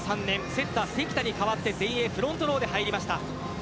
セッター・関田に代わって前衛、フロントローで入りました。